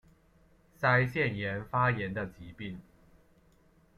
腮腺炎发炎的疾病。